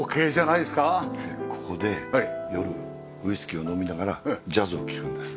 ここで夜ウイスキーを飲みながらジャズを聴くんです。